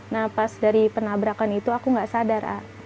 nah pas dari penabrakan itu aku nggak sadar